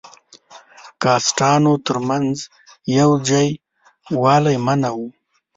کاسټانو تر منځ یو ځای والی منع وو.